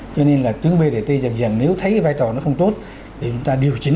cho nên là tuyến brt dần dần nếu thấy cái vai trò nó không tốt thì người ta điều chỉnh